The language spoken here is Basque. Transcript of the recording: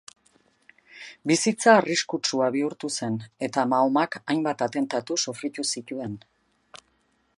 Bizitza arriskutsua bihurtu zen eta Mahomak hainbat atentatu sufritu zituen.